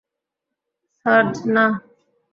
Surge, না!